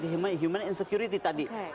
di human insecurity tadi